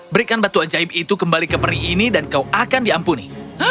berikan batu ajaib itu kembali ke peri ini dan kau akan diampuni